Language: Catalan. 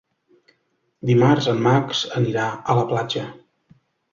Dimarts en Max anirà a la platja.